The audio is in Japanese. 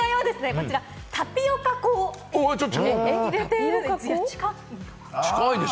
こちら、タピオカ粉を入れているんです。